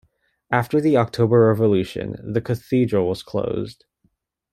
After the October Revolution, the cathedral was closed.